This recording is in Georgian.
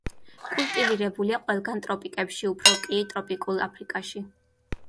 კულტივირებულია ყველგან ტროპიკებში, უფრო კი ტროპიკულ აფრიკაში.